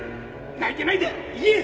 泣いてないで言え！